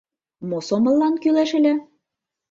— Мо сомыллан кӱлеш ыле?